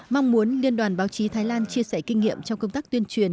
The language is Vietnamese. mong muốn liên đoàn báo chí thái lan chia sẻ kinh nghiệm trong công tác tuyên truyền